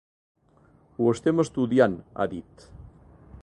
Ho estem estudiant, ha dit.